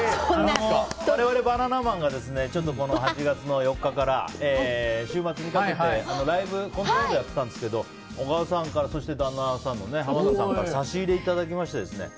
我々、バナナマンがこの８月の４日から週末にかけてコントライブをやったんですけど小川さん、そして旦那さんの浜田さんから差し入れをいただきまして。